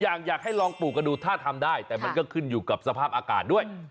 อยากให้ลองปลูกกันดูถ้าทำได้แต่มันก็ขึ้นอยู่กับสภาพอากาศด้วย